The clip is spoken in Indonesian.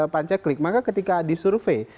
pancaklik maka ketika disurvei